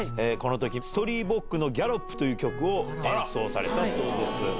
このとき、ストリーボッグのギャロップという曲を演奏されたそうです。